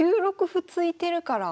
歩突いてるから。